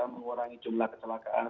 mengurangi jumlah kecelakaan